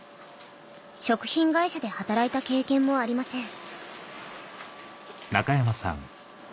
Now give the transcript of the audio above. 食品会社で働いた経験もありません